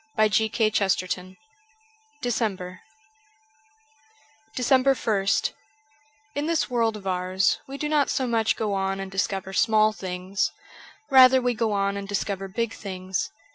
370 D ECEMBER 2 B 2 DECEMBER ist IN this world of ours we do not so much go on and discover small things : rather we go on and discover big things.